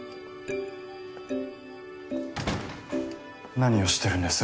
何をしてるんです？